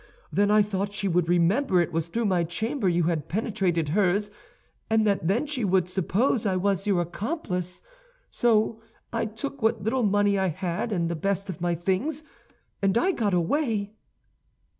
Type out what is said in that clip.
Then I thought she would remember it was through my chamber you had penetrated hers, and that then she would suppose I was your accomplice; so I took what little money I had and the best of my things, and I got away.